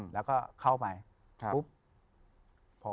แล้วไปเข้ากันพูดว่า